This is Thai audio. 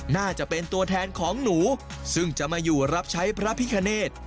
น่าจะเป็นตัวแทนของหนูซึ่งจะมาอยู่รับใช้พระพิคเนธ